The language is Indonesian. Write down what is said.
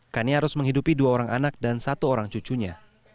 kania harus menghidupi dua orang anak dan satu orang cucunya